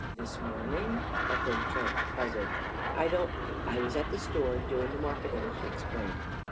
"This morning?" echoed Trent, puzzled. "I don't " "I was at the store, doing the marketing," she explained.